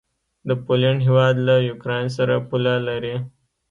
د پولينډ هيواد له یوکراین سره پوله لري.